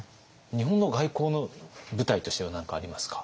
日本の外交の舞台としては何かありますか？